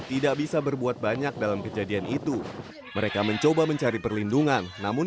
tidak bisa berbuat banyak dalam kejadian itu mereka mencoba mencari perlindungan namun